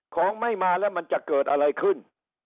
ของไม่มาแล้วมันจะเกิดอะไรขึ้น